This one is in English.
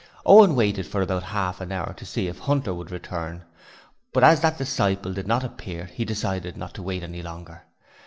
Owen waited for about half an hour to see if Hunter would return, but as that disciple did not appear, he decided not to wait any longer.